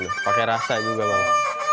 pakai rasa juga bang